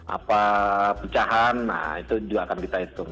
apa pecahan nah itu juga akan kita hitung